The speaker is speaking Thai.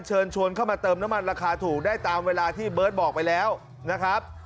เชิญชวนเข้ามาเติมน้ำมันราคาถูกได้ตามเวลาที่เบิร์ตบอกไปแล้วนะครับ